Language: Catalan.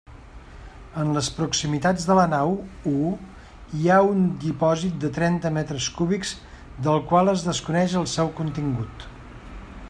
En les proximitats de la nau u hi ha un depòsit de trenta metres cúbics del qual es desconeix el seu contingut.